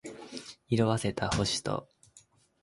色褪せた星と